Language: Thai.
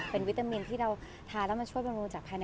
เป็นวิตามินที่เราทานแล้วมาช่วยบำรุงจากภายใน